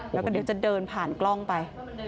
แล้วก็เดี๋ยวจะเดินผ่านกล้องไป